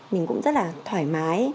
mình cũng rất là thoải mái